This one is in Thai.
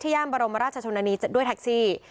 ย่านบรมราชชนนานีด้วยแท็กซี่